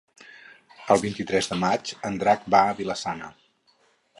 El vint-i-tres de maig en Drac va a Vila-sana.